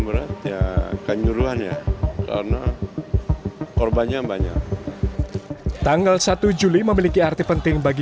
berat ya kejuruan ya karena korbannya banyak tanggal satu juli memiliki arti penting bagi